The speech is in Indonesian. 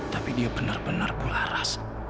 tapi dia benar benar pula rasa